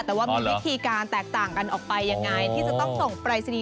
แต่ว่ามีวิธีการแตกต่างกันออกไปยังไงที่จะต้องส่งปรายศนีย